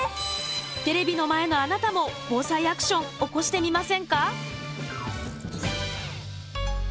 テレビの前のあなたもＢＯＳＡＩアクション起こしてみませんか？